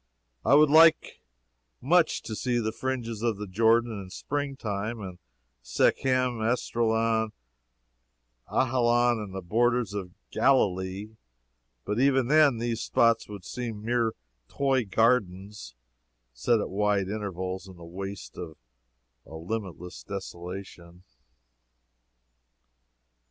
I would like much to see the fringes of the Jordan in spring time, and Shechem, Esdraelon, Ajalon and the borders of Galilee but even then these spots would seem mere toy gardens set at wide intervals in the waste of a limitless desolation.